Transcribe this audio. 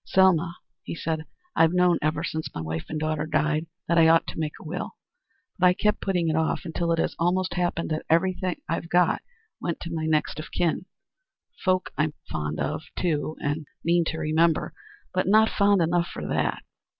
"Selma," he said, "I've known ever since my wife and daughter died that I ought to make a will, but I kept putting it off until it has almost happened that everything I've got went to my next of kin folk I'm fond of, too, and mean to remember but not fond enough for that.